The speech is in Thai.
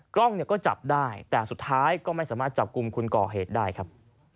กล้องก็จับได้แต่สุดท้ายก็ไม่สามารถจับกุมคุณกเฮดได้ครับ